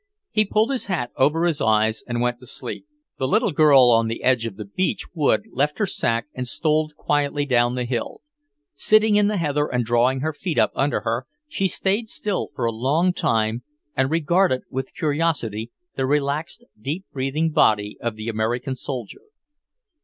He pulled his hat over his eyes and went to sleep. The little girl on the edge of the beech wood left her sack and stole quietly down the hill. Sitting in the heather and drawing her feet up under her, she stayed still for a long time, and regarded with curiosity the relaxed, deep breathing body of the American soldier.